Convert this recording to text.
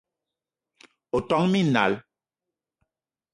O ton minal